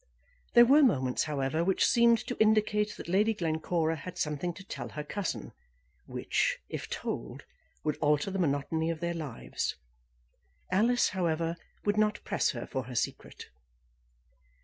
There were moments, however, which seemed to indicate that Lady Glencora had something to tell her cousin, which, if told, would alter the monotony of their lives. Alice, however, would not press her for her secret.